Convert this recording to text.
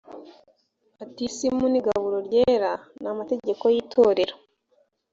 batisimu n igaburo ryera n amategeko y itorero